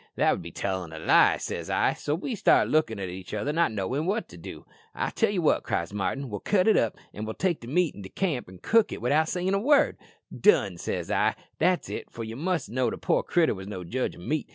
"'That would be tellin' a lie,' says I. "So we stood lookin' at each other, not knowin' what to do. "'I'll tell ye what,' cries Martin; 'we'll cut it up, and take the meat into camp an' cook it without sayin' a word.' "'Done,' says I, 'that's it;' for ye must know the poor critter wos no judge o' meat.